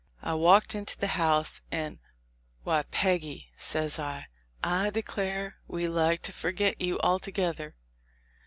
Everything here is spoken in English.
I walked into the house, and, "Why, Peggy," says I, "declare we like to forgot you altogether."